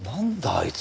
あいつ。